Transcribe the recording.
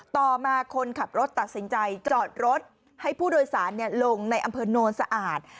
ต่อมาคนขับรถตัดสินใจจอดรถให้ผู้โดยสารลงในอำเภอโนนสะอาด